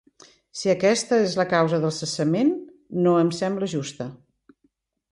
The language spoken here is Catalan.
Si aquesta és la causa del cessament, no em sembla justa.